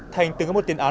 thành từng có một tiền án